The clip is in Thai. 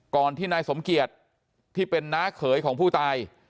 ที่นายสมเกียจที่เป็นน้าเขยของผู้ตาย